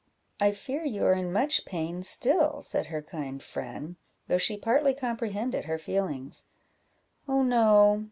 "I fear you are in much pain still," said her kind friend, though she partly comprehended her feelings. "Oh, no!